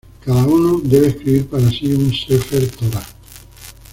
Cada uno debe escribir para sí un Sefer Torá